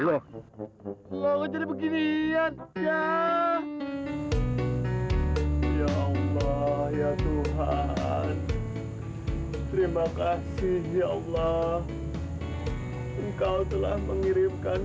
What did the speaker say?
loh jadi beginian ya allah ya tuhan terima kasih ya allah engkau telah mengirimkan